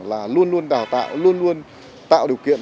là luôn luôn đào tạo luôn luôn tạo điều kiện